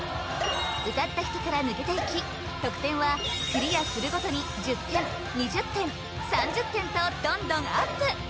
歌った人から抜けていき得点はクリアするごとに１０点２０点３０点とどんどんアップ